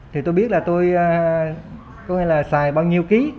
thì tôi biết là tôi có thể là xài bao nhiêu ký